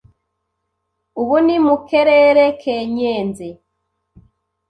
ubu ni mu kerere ke Nyenze.